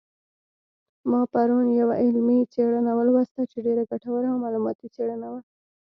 ما پرون یوه علمي څېړنه ولوستله چې ډېره ګټوره او معلوماتي څېړنه وه